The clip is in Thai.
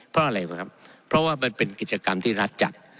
เพราะอะไรบ้างครับเพราะว่ามันเป็นกิจกรรมที่รัฐจัด